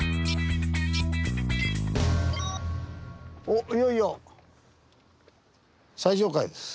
おっいよいよ最上階です。